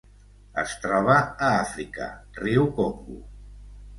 Es troba a Àfrica: riu Congo.